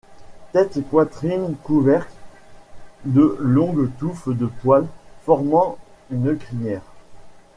Tête et poitrine couvertes de longues touffes de poils formant une crinière.